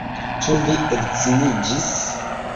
Ĉu vi edziniĝis?